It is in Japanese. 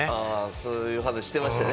そういう話、してましたね。